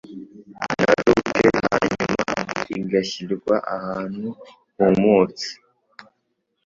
na ruke. Hanyuma igashyirwa ahantu humutse,